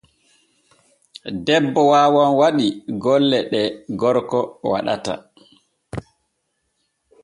Debbo waawan waɗi golle ɗ e gorgo waɗata.